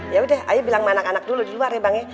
yaudah deh ayah bilang sama anak anak dulu di luar ya bang